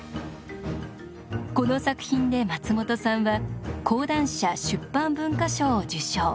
この作品で松本さんは講談社出版文化賞を受賞。